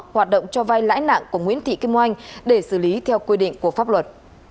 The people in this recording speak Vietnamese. hoạt động cho vai lãi nặng của nguyễn thị kim oanh để xử lý theo quy định của pháp luật